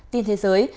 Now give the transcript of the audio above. tin thế giới